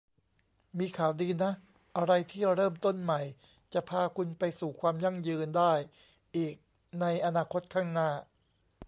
มีข่าวดีนะ อะไรที่เริ่มต้นใหม่จะพาคุณไปสู่ความยั่งยืนได้อีกในอนาคตข้างหน้า